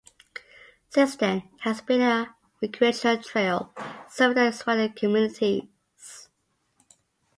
Since then, it has been a recreational trail serving the surrounding communities.